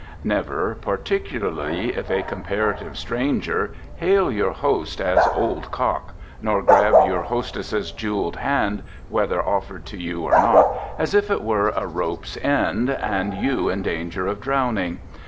Never, particularly if a comparative stranger, hail your host as "Old Cock," nor grab your hostess's jeweled hand, whether offered to you or not, as if it were a rope's end, and you in danger of drowning.